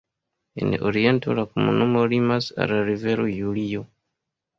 En oriento la komunumo limas al la rivero Julio.